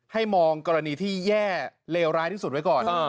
ให้มองกรณีที่แย่เลวร้ายที่สุดไว้ก่อน